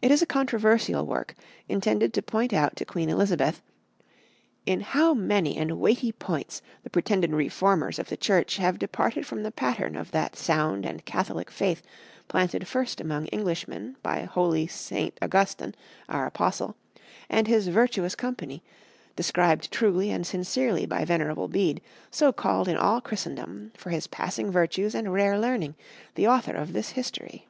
It is a controversial work, intended to point out to Queen Elizabeth "in how many and weighty pointes the pretended refourmers of the Church ... have departed from the patern of that sounde and Catholike faith planted first among Englishmen by holy S. Augustin, our Apostle, and his vertuous company, described truly and sincerely by Venerable Bede, so called in all Christendom for his passing vertues and rare lerning, the Author of this History."